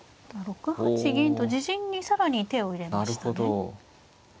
６八銀と自陣に更に手を入れましたね。